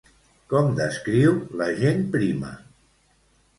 Com descriu la gent prima?